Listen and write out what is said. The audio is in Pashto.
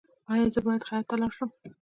ایا زه باید خیاط ته لاړ شم؟